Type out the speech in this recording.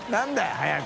早く。